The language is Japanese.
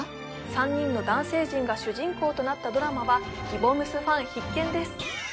３人の男性陣が主人公となったドラマはぎぼむすファン必見です